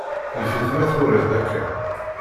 Yif-it ma turiḍ akka.